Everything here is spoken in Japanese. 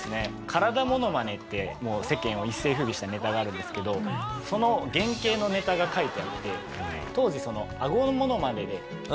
体モノマネって世間を一世風靡したネタがあるんですけどその原型のネタが書いてあって当時アゴモノマネでＨＥＹ！